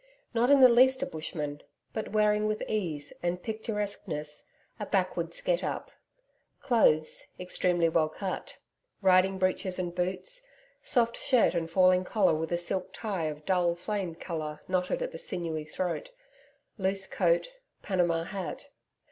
Not in the least a Bushman, but wearing with ease and picturesqueness, a backwoods get up. Clothes, extremely well cut; riding breeches and boots; soft shirt and falling collar with a silk tie of dull flame colour knotted at the sinewy throat, loose coat, Panama hat.